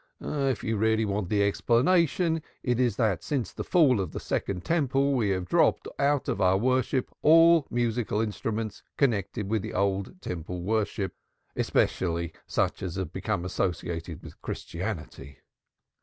"If you really want the explanation, it is that since the fall of the second Temple we have dropped out of our worship all musical instruments connected with the old Temple worship, especially such as have become associated with Christianity.